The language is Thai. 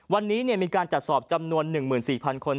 วันนี้มีการจัดสอบจำนวน๑๔๐๐คน